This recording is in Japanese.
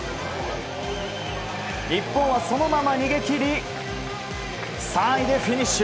日本はそのまま逃げ切り３位でフィニッシュ。